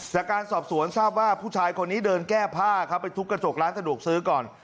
จากการสอบสวนทราบว่าผู้ชายคนนี้เดินแก้ผ้าครับไปทุบกระจกร้านสะดวกซื้อก่อน